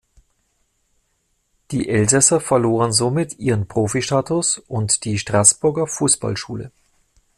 Die Elsässer verloren somit ihren Profistatus und die Straßburger Fußballschule.